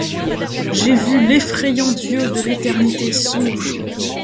J’ai vu l’effrayant Dieu de l’éternité sombre !